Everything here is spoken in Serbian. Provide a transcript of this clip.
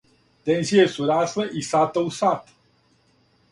Тензије су расле из сата у сат.